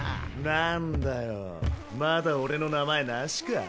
なんだよまだ俺の名前なしかぁ？